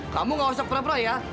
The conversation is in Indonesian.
kamu nggak usah perap perap ya